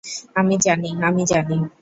আমি জানি, আমি জানি!